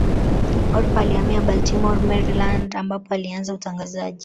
Oprah alihamia Baltimore Maryland ambapo alianza utangazaji